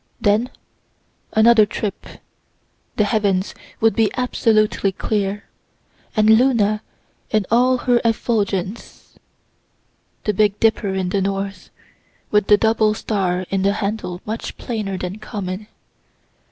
Then, another trip, the heavens would be absolutely clear, and Luna in all her effulgence. The big Dipper in the north, with the double star in the handle much plainer than common.